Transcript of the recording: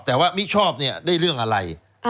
แต่ว่ามิชชอบได้เรื่องอะไร